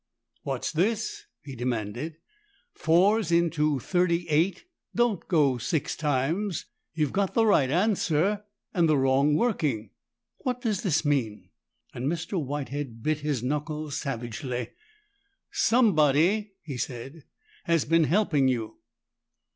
"What's this?" he demanded. "Four's into thirty eight don't go six times. You've got the right answer and the wrong working. What does this mean?" And Mr. Whitehead bit his knuckles savagely. "Somebody," he said, "has been helping you."